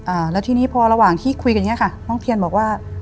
อ่าแล้วทีนี้พอระหว่างที่คุยกันเนี้ยค่ะน้องเทียนบอกว่า